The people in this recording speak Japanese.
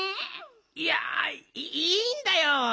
いやいいんだよ。